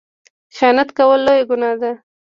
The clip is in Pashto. خیانت کول لویه ګناه ده